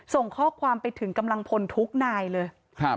ส่งข้อความไปถึงกำลังพลทุกนายเลยครับ